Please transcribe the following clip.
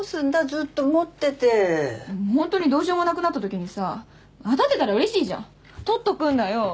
ずっと持ってて本当にどうしようもなくなったときにさ当たってたらうれしいじゃん取っとくんだよ